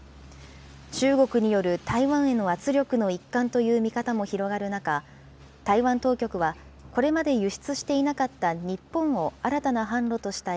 中国による台湾への圧力の一環という見方も広がる中、台湾当局はこれまで輸出していなかった日本を新たな販路としたい